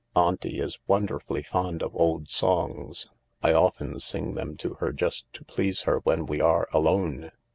" Auntie is wonderfully fond of old songs. I often sing them to her just to please her when we are alone.